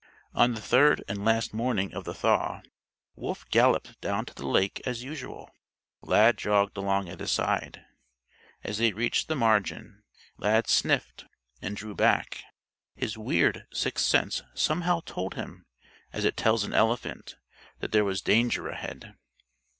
On the third and last morning of the thaw Wolf galloped down to the lake as usual. Lad jogged along at his side. As they reached the margin, Lad sniffed and drew back. His weird sixth sense somehow told him as it tells an elephant that there was danger ahead.